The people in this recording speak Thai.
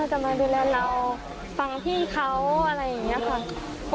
จะมาดูแลเราฟังพี่เขาอะไรอย่างนี้ค่ะ